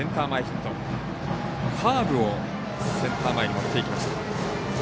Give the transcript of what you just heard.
カーブをセンター前に持っていきました。